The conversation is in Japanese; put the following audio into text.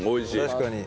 確かに。